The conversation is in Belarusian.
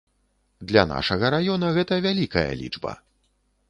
Для нашага раёна гэта вялікая лічба.